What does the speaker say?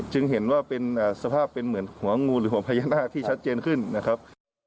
จึงเห็นว่าเป็นสภาพเป็นเหมือนหัวงูหรือหัวพญานาคที่ชัดเจนขึ้นนะครับ